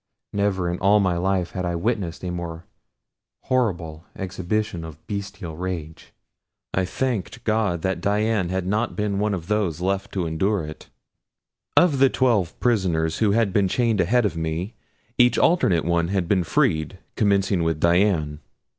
Never in all my life had I witnessed a more horrible exhibition of bestial rage I thanked God that Dian had not been one of those left to endure it. Of the twelve prisoners who had been chained ahead of me each alternate one had been freed commencing with Dian.